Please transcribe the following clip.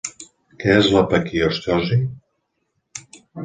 Què és la paquiostosi?